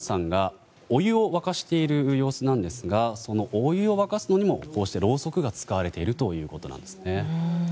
こちらはボグダンさんがお湯を沸かしている様子なんですがそのお湯を沸かすのにもこうしてろうそくが使われているということなんですね。